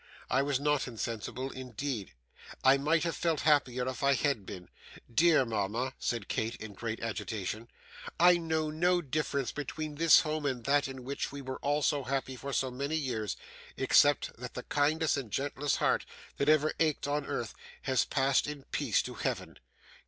I was not insensible, indeed. I might have felt happier if I had been. Dear mama,' said Kate, in great agitation, 'I know no difference between this home and that in which we were all so happy for so many years, except that the kindest and gentlest heart that ever ached on earth has passed in peace to heaven.